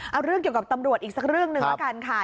เอาเรื่องเกี่ยวกับตำรวจอีกสักเรื่องหนึ่งแล้วกันค่ะ